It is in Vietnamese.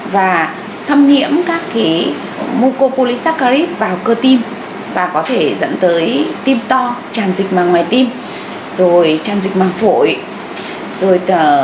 và thâm nhiễm các mucopolisaccharides vào cơ tim và có thể dẫn tới tim to tràn dịch màng ngoài tim tràn dịch màng phổi